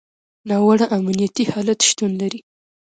ناوړه امنیتي حالت شتون لري.